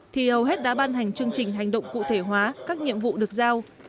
thì hầu hết đã ban hành chương trình hành động cụ thể hóa các nhiệm vụ được giao